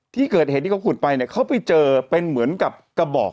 ที่เกิดเหตุที่เขาขุดไปเนี่ยเขาไปเจอเป็นเหมือนกับกระบอก